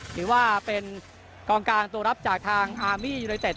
ถือว่าเป็นกองการตัวรับจากทางอาร์มี่ยูไนเต็ด